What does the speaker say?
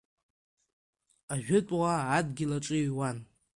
Ажәытәуаа адгьыл аҿы иҩуан.